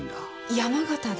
山形で？